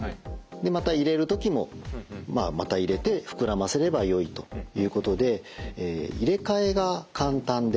また入れる時もまた入れて膨らませればよいということで入れ替えが簡単であると。